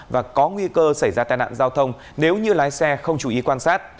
và có nguy cơ xảy ra tai nạn giao thông nếu như lái xe không chú ý quan sát